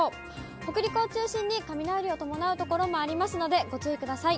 北陸を中心に雷を伴う所もありますので、ご注意ください。